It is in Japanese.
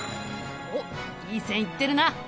おっいい線いってるな！